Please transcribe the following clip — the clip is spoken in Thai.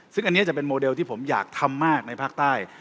ซึ่งอันนี้จะเป็นโมเดลที่ผมอยากทำมากในภาคใต้